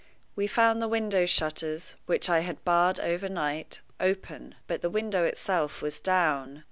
We found the window shutters, which I had barred overnight, open, but the window itself was down.